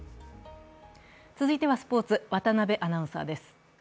続いてはスポーツ、渡部アナウンサーです。